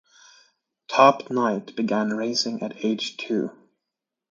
Top Knight began racing at age two.